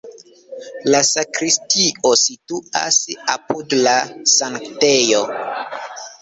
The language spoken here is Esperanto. La sakristio situas apud la sanktejo.